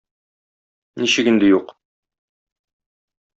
Ничек инде юк?